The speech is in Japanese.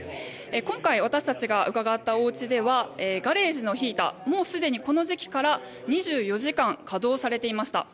今回、私たちが伺ったおうちではガレージのヒーターもうすでにこの時期から２４時間稼働されていました。